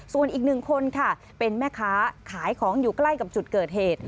ส่วนอีกหนึ่งคนค่ะเป็นแม่ค้าขายของอยู่ใกล้กับจุดเกิดเหตุ